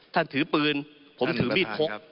ท่านถือปืนผมถือมิดพก